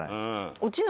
落ちない。